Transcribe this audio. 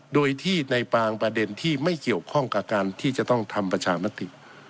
โดยที่ในบางประเด็นที่ไม่เกี่ยวข้องกับการที่จะต้องทำประชามติ